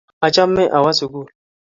achame awe sugul